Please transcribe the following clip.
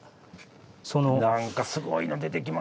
何かすごいの出てきましたよ。